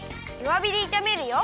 わびでいためるよ。